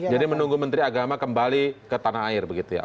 jadi menunggu menteri agama kembali ke tanah air begitu ya